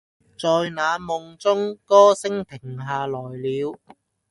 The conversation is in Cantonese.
在那夢中，歌聲停下來了